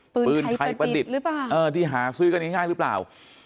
ปืนไทยประดิษฐ์ที่หาซื้อกันง่ายหรือเปล่า